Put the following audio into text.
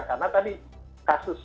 karena tadi kasus sukabumi itu masih ada